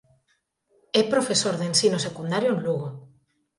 É profesor de ensino secundario en Lugo.